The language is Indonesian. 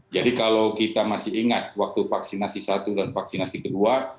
jadi kalau kita masih ingat waktu vaksinasi satu dan vaksinasi kedua